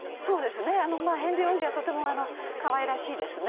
ヘンリー王子はとても可愛らしいですね。